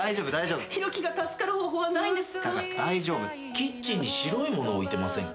キッチンに白いものを置いてませんか？